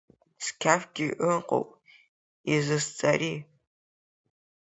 Сқьафгьы ыҟоуп изызӡари?